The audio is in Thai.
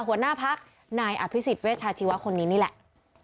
หัวหน้าพักนายอภิษฎเวชาชีวะคนนี้นี่แหละ